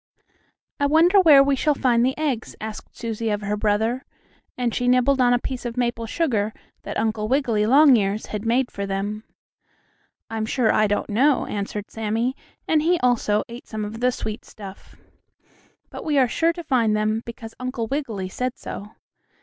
"I wonder where we shall find the eggs?" asked Susie of her brother, and she nibbled on a bit of maple sugar that Uncle Wiggily Longears had made for them. "I'm sure I don't know," answered Sammie, and he, also, ate some of the sweet stuff. "But we are sure to find them, because Uncle Wiggily said so.